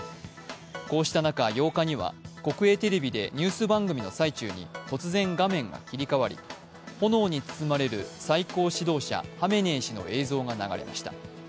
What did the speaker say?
こうした中８日には、国営テレビでニュース番組の最中に突然画面が切り替わり、炎に包まれる最高指導者ハメネイ師の映像が流れました。